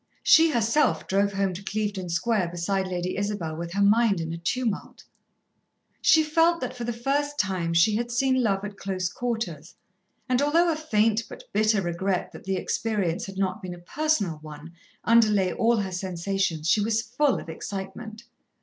She herself drove home to Clevedon Square beside Lady Isabel with her mind in a tumult. She felt that for the first time she had seen love at close quarters, and although a faint but bitter regret that the experience had not been a personal one underlay all her sensations, she was full of excitement.